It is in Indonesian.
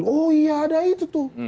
oh iya ada itu tuh